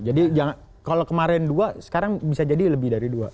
jadi kalau kemarin dua sekarang bisa jadi lebih dari dua